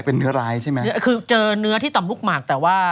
เป็นเนื้อร้ายใช่ไหมเนื้อคือเจอเนื้อที่ต่ำลูกหมากแต่ว่า